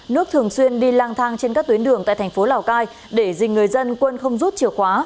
nước thường xuyên đi lang thang trên các tuyến đường tại thành phố lào cai để dình người dân quân không rút chìa khóa